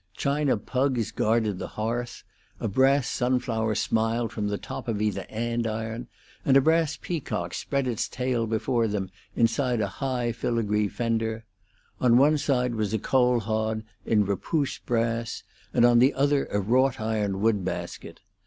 China pugs guarded the hearth; a brass sunflower smiled from the top of either andiron, and a brass peacock spread its tail before them inside a high filigree fender; on one side was a coalhod in 'repousse' brass, and on the other a wrought iron wood basket.